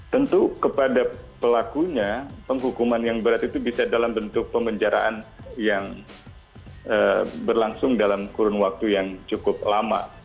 tentu kepada pelakunya penghukuman yang berat itu bisa dalam bentuk pemenjaraan yang berlangsung dalam kurun waktu yang cukup lama